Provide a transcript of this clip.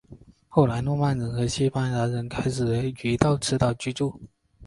后来诺曼人和西班牙人开始移到此岛居住。